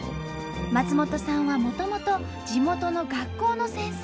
松本さんはもともと地元の学校の先生。